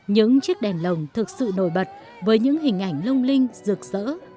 những chiếc đèn lồng thực sự nổi bật với những hình ảnh lung linh rực rỡ